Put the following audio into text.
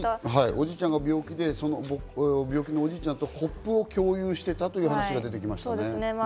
おじいちゃんが病気で病気のおじいちゃんとコップを共有していたという話が出てきましたね。